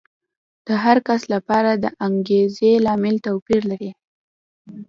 د هر کس لپاره د انګېزې لامل توپیر لري.